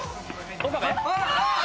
岡部？